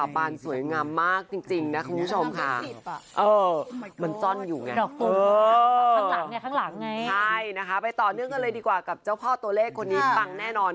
พี่มนต์สิทธิ์คำซอย